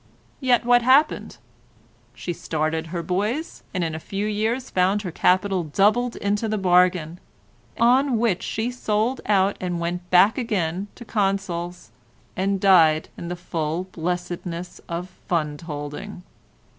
Yet what happened? She started her boys, and in a few years found her capital doubled into the bargain, on which she sold out and went back again to Consols and died in the full blessedness of fund holding.